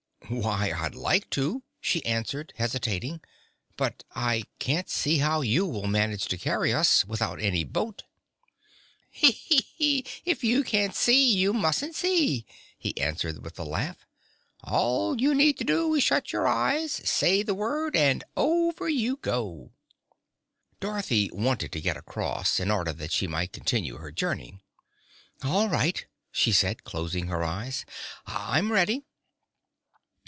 "Why, I'd like to," she answered, hesitating; "but I can't see how you will manage to carry us, without any boat." "If you can't see, you mustn't see," he answered with a laugh. "All you need do is shut your eyes, say the word, and over you go!" Dorothy wanted to get across, in order that she might continue her journey. "All right," she said, closing her eyes; "I'm ready."